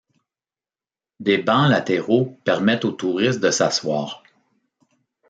Des bancs latéraux permettent aux touristes de s'asseoir.